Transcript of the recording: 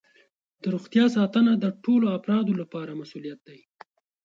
د روغتیا ساتنه د ټولو افرادو لپاره مسؤولیت دی.